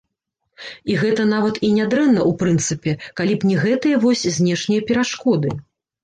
І гэта нават і нядрэнна ў прынцыпе, калі б не гэтыя вось знешнія перашкоды.